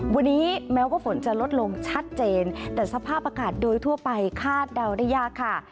วันนี้แม้ว่าฝนจะลดลงชัดเจนแต่สภาพอากาศโดยทั่วไปคาดเดาได้ยากค่ะ